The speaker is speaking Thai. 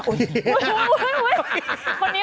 คือความจริงทั้งหมดนะ